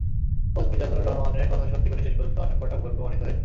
Coach Mizanur রহমানের কথা সত্যি করে শেষ পর্যন্ত আশঙ্কাটা ভুল প্রমাণিত হয়েছে।